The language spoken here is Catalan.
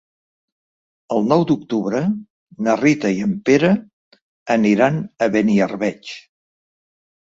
El nou d'octubre na Rita i en Pere aniran a Beniarbeig.